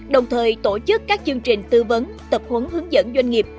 đồng thời tổ chức các chương trình tư vấn tập huấn hướng dẫn doanh nghiệp